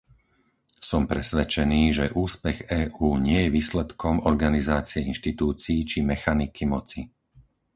Som presvedčený, že úspech EÚ nie je výsledkom organizácie inštitúcií či mechaniky moci.